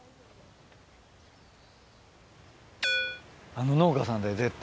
あの農家さんだよ絶対。